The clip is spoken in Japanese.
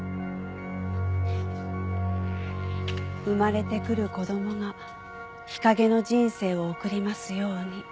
「生まれてくる子供が日陰の人生を送りますように」